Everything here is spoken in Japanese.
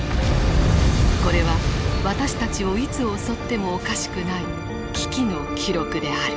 これは私たちをいつ襲ってもおかしくない危機の記録である。